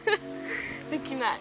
できない。